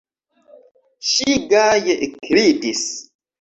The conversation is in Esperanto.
Ŝi gaje ekridis.